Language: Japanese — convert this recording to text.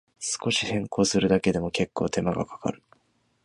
少し変更するだけでも、けっこう手間がかかる